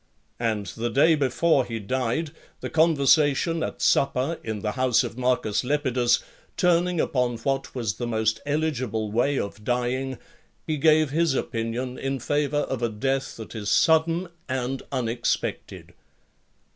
And the day before he died, the conversation at supper, in the house of Marcus Lepidus, turning upon what was the most eligible way of dying, he gave his opinion in favour of a death that is sudden and unexpected.